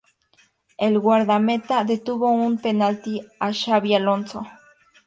El guardameta detuvo un penalti a Xabi Alonso.